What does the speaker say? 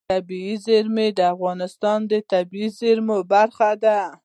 طبیعي زیرمې د افغانستان د طبیعي زیرمو برخه ده.